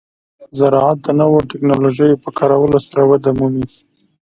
د زراعت د نوو ټکنالوژیو په کارولو سره وده مومي.